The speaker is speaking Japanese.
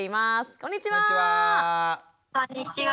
こんにちは。